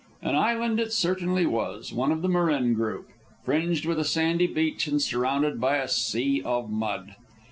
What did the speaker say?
An island it certainly was, one of the Marin group, fringed with a sandy beach and surrounded by a sea of mud.